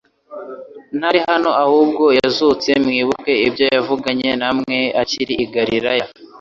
Ntari hano ahubwo yazutse, mwibuke ibyo yavuganye na mwe akiri i Galilaya